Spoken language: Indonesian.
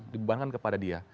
dibubarkan kepada dia